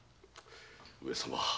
上様